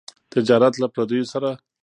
تجارت له پرديو سره.